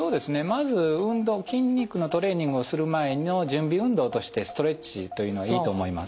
まず運動筋肉のトレーニングをする前の準備運動としてストレッチというのはいいと思います。